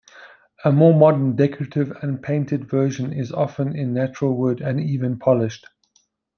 A more modern, decorative unpainted version is often in natural wood and even polished.